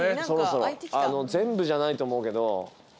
全部じゃないと思うけど。